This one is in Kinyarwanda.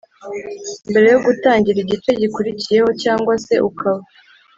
mbere yo gutangira igice gikurikiyeho, cyangwa se ukaba